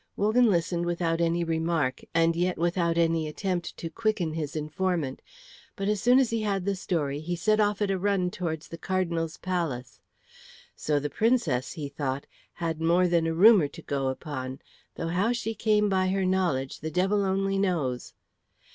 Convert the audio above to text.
Wogan listened without any remark, and yet without any attempt to quicken his informant. But as soon as he had the story, he set off at a run towards the Cardinal's palace. "So the Princess," he thought, "had more than a rumour to go upon, though how she came by her knowledge the devil only knows."